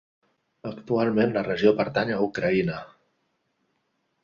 Actualment la regió pertany a Ucraïna.